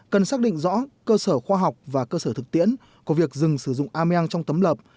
cần xác định rõ cơ sở khoa học và cơ sở thực tiễn của việc dừng sử dụng ameang trong tấm lập